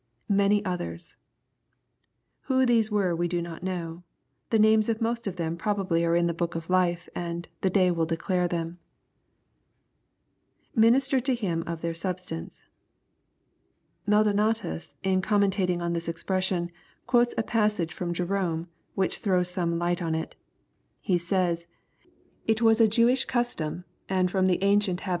\Many others,] Who these were we do not know. The names of most of them probably are in the book of life, and " the day will declare" them. [Ministered to him of their substance.] Maldonatus in comment ing on this expression quotes a passage from Jerome, which throws some light on it He says, "It was a Jewish custom, and from the ancient hab.